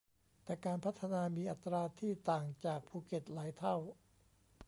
แต่การพัฒนามีอัตราที่ต่างจากภูเก็ตหลายเท่า